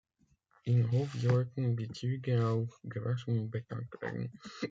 In Hof sollten die Züge auch gewaschen und betankt werden.